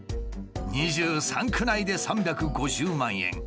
２３区内で３５０万円。